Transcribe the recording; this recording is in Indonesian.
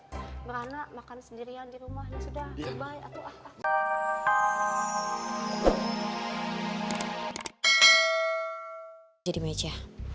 saya gak sengaja